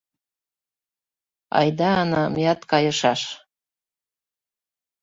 Айда, Ана, меат кайышаш.